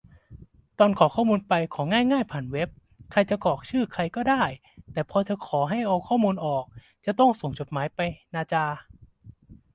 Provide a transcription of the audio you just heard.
ตอนขอข้อมูลไป ของ๊ายง่ายผ่านเว็บ ใครจะกรอกชื่อใครก็ได้ แต่พอจะขอให้เอาข้อมูลออก ต้องส่งจดหมายไปนาจา